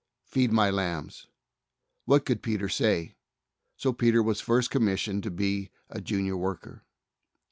"Feed My lambs," what could Peter say? So Peter was first commissioned to be a Junior worker.